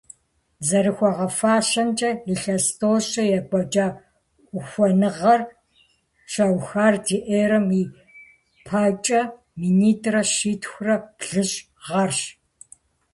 ЗэрыхуагъэфащэмкӀэ, илъэс тӏощӏкӀэ екӀуэкӀа ухуэныгъэр щаухар ди эрэм и пэкӀэ минитӏрэ щитхурэ плӏыщӏ гъэрщ.